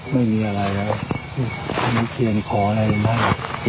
ไม่มีอะไรนะไม่เคียงขออะไรเลยนะ